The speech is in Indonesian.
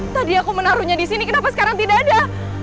tadi aku menaruhnya disini kenapa sekarang tidak ada